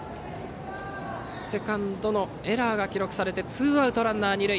セカンドのエラーが記録されてツーアウトランナー、二塁。